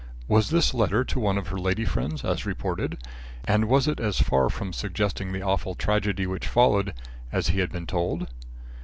Was this letter to one of her lady friends, as reported, and was it as far from suggesting the awful tragedy which followed, as he had been told?